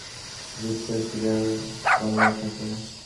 জীবকোষের suicidal squad বলা হয় কাকে?